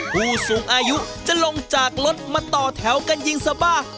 ผู้สูงอายุจะลงจากรถมาต่อแถวกันยิงสบ้า